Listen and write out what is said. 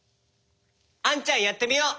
あんちゃんやってみよう。